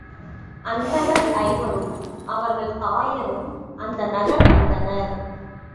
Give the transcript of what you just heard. அந்தணர் ஐவரும் அவர்கள் தாயரும் அந்த நகர் வந்தனர்.